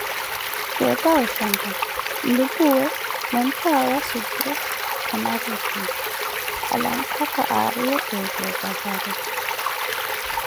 Keetta oshanka nlumpuwe, mantthaawo ya supu kana ruti, alankhaka aariye ontta opazari.